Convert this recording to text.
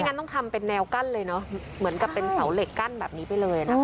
งั้นต้องทำเป็นแนวกั้นเลยเนอะเหมือนกับเป็นเสาเหล็กกั้นแบบนี้ไปเลยนะคะ